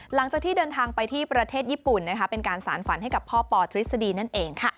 หลังจากที่เดินทางไปที่ประเทศญี่ปุ่นนะคะเป็นการสารฝันให้กับพ่อปอทฤษฎีนั่นเองค่ะ